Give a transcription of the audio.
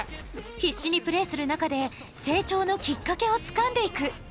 必死にプレーする中で成長のきっかけをつかんでいく。